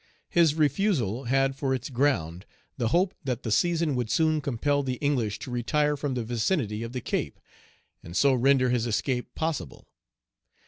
His refusal had for its ground the hope that the season would soon compel the English to retire from the vicinity of the Cape, and so render his escape possible.